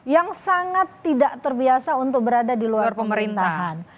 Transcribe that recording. yang sangat tidak terbiasa untuk berada di luar pemerintahan